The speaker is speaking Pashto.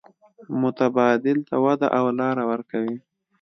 متبادل ته وده او لار ورکوي.